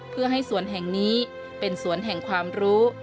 เพื่อให้สวนแห่งนี้เป็นสวนแห่งความรู้